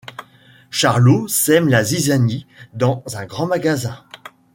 Charlot sème la zizanie dans un grand magasin.